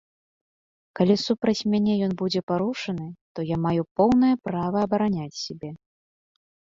Калі супраць мяне ён будзе парушаны, то я маю поўнае права абараняць сябе.